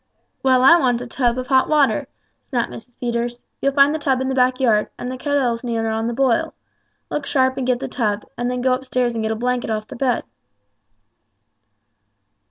"Well, I want a tub of hot water," snapped Mrs. Peters. "You'll find the tub in the backyard, and the kettle's near on the boil. Look sharp and get the tub, and then go upstairs and get a blanket off the bed."